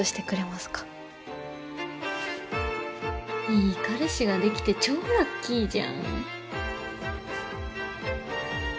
いい彼氏ができて超ラッキーじゃん。